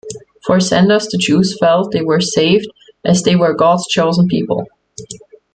For Sanders, the Jews felt they were saved as they were God's chosen people.